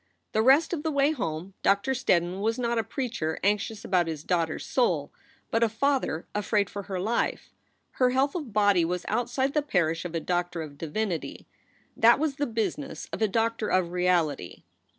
The rest of the way home Doctor Steddon was not a preacher anxious about his daughter s soul, but a father afraid for her life. Her health of body was outside the parish of a doctor of divinity; that was the business of a doctor of reality.